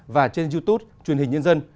và trên youtube truyền hình nhân dân